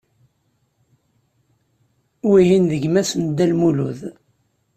Wihin d gma-s n Dda Lmulud.